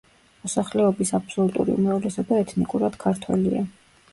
მოსახლეობის აბსოლუტური უმრავლესობა ეთნიკურად ქართველია.